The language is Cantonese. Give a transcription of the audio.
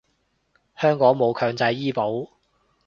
香港冇強制醫保